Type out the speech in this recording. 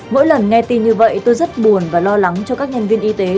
mỗi lần nghe tin như vậy tôi rất buồn và lo lắng cho các nhân viên y tế